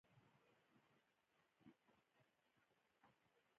وړاندیز دا دی لیکوال حاجیان خپلې خاطرې ولیکي.